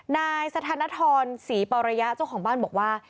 นายสถานธรศรีปรยะเจ้าของบ้านบอกว่า